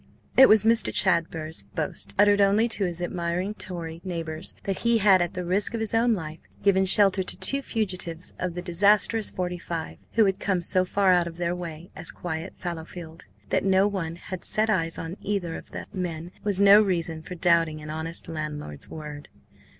It was Mr. Chadber's boast, uttered only to his admiring Tory neighbours, that he had, at the risk of his own life, given shelter to two fugitives of the disastrous 'Forty five, who had come so far out of their way as quiet Fallowfield. That no one had set eyes on either of the men was no reason for doubting an honest landlord's word.